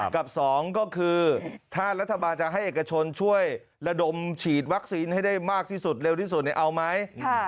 กับสองก็คือถ้ารัฐบาลจะให้เอกชนช่วยระดมฉีดวัคซีนให้ได้มากที่สุดเร็วที่สุดเอาไหม